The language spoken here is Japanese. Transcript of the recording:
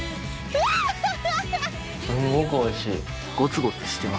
すごくおいしい。